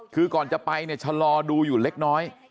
คือก่อนจะไปเนี่ยชะลอดูอยู่เล็กน้อย